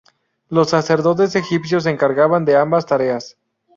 Los sacerdotes egipcios se encargaban de ambas tareas.